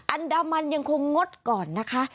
อันดามันยังคงงดก่อนนะคะ